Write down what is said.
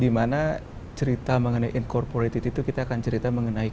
di mana cerita mengenai keberadaan itu kita akan cerita mengenai